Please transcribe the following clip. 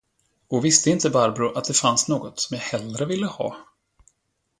Och visste inte Barbro, att det fanns något, som jag hellre ville ha.